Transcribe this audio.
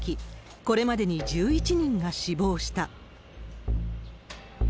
これまでに１１人が死亡した。